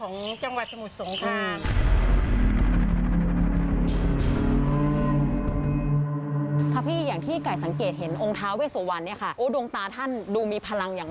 มองไปตาก็จะสีฟ้าก็จะมองจ้องรูปเลย